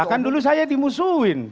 lah kan dulu saya dimusuhin